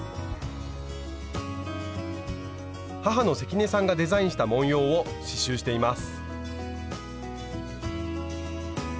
母の関根さんがデザインした文様を刺しゅうしています。